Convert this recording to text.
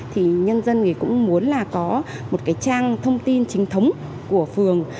thì nhân dân thì cũng muốn là có một cái trang thông tin chính thống của phường